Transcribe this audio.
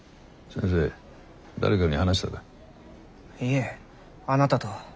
いえあなたと。